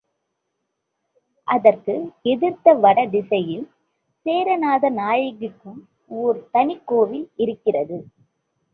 அதற்கு எதிர்த்த வட திசையில் சோரநாத நாயகிக்கும் ஒரு தனிக்கோயில் இருக்கிறது.